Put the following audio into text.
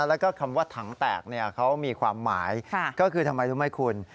แล้วก็คำว่าถังแตกเขามีความหมายก็คือทำไมรู้ไหมคุณ